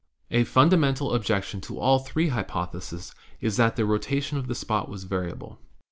"A fundamental objection to all three hypotheses is that the rotation of the spot was variable.